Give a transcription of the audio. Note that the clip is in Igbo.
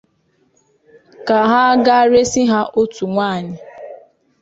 ka ha ga resi ha otu nwaanyị.